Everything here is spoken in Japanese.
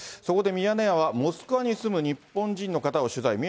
そこでミヤネ屋は、モスクワに住む日本人の方を取材。